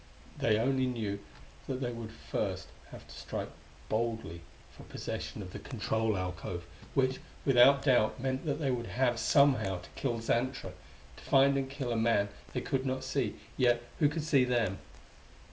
They only knew that they would first have to strike boldly for possession of the control alcove which, without doubt meant they would have, somehow, to kill Xantra to find and kill a man they could not see, yet who could see them.